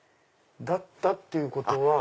「だった」っていうことは。